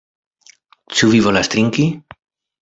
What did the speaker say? Ĉu vi volas trinki?